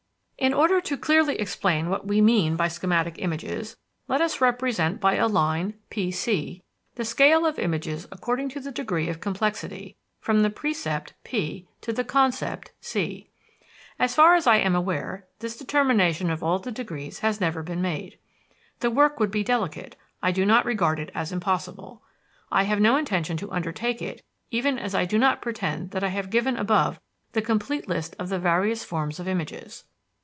In order to clearly explain what we mean by schematic images, let us represent by a line, PC, the scale of images according to the degree of complexity, from the percept, P, to the concept, C. P X G S C As far as I am aware, this determination of all the degrees has never been made. The work would be delicate; I do not regard it as impossible. I have no intention to undertake it, even as I do not pretend that I have given above the complete list of the various forms of images.